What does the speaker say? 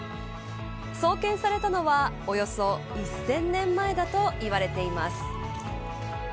創建されたのは、およそ１０００年前だといわれています。